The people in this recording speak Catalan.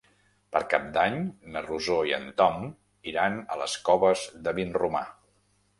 Per Cap d'Any na Rosó i en Tom iran a les Coves de Vinromà.